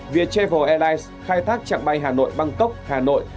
viettravel airlines khai thác chặng bay hà nội băng cốc hà nội